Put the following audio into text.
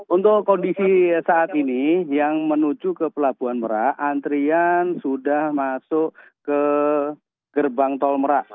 untuk kondisi saat ini yang menuju ke pelabuhan merak antrian sudah masuk ke gerbang tol merak